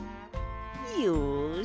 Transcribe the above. よし！